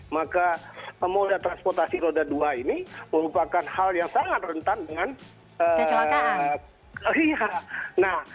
maka moda transportasi roda dua ini merupakan hal yang sangat rentan dengan pihak